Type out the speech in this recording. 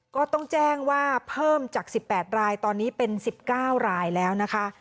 ก็ต้องแจ้งว่าเพิ่มจาก๑๘รายตอนนี้เป็น๑๙รายแล้วนะคะ